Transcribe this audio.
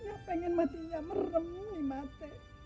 nya pengen matinya merem nih mat